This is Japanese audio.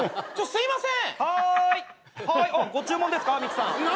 ・すいません！